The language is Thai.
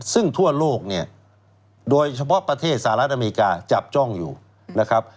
ซึ่งทั่วโลกเนี่ยโดยเฉพาะประเทศสหรัฐอเมริกาจับจ้องอยู่นะครับ